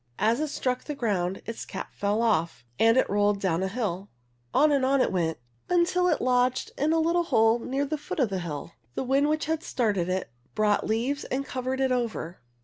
As it struck the ground its cap fell off and it rolled down a hill. On and on it went until it lodged in a little hole near the foot of the hill. The wind which had started it, brought leaves and covered it over.